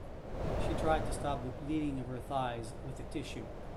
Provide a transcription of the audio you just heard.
She tried to stop the bleeding of her thighs with a tissue.